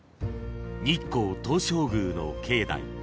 ［日光東照宮の境内］